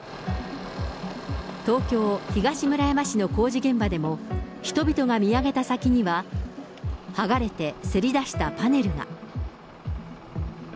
東京・東村山市の工事現場でも、人々が見上げた先には、剥がれてせり出したパネルが。